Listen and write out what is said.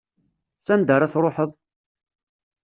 S anda ara truḥeḍ?